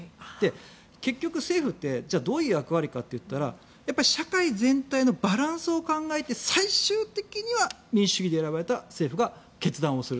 結局、政府ってどういう役割かといったらやっぱり社会全体のバランスを考えて最終的には民主主義で選ばれた政府が決断する。